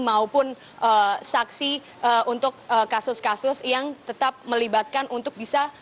maupun saksi untuk kasus kasus yang tetap melibatkan untuk bisa